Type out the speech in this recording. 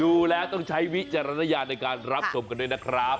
ดูแล้วต้องใช้วิจารณญาณในการรับชมกันด้วยนะครับ